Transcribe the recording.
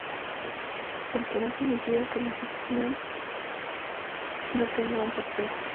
El que no significa que la ficción no tenga un papel.